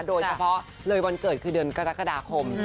โดยเฉพาะเลยวันเกิดคือเดือนกรกฎาคม